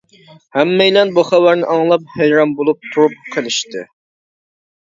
ھەممەيلەن بۇ خەۋەرنى ئاڭلاپ ھەيران بولۇپ تۇرۇپ قېلىشتى.